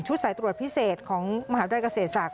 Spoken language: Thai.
สายตรวจพิเศษของมหาวิทยาลัยเกษตรศาสต